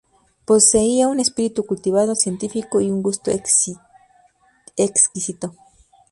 Poseía un espíritu cultivado, científico y un gusto exquisito.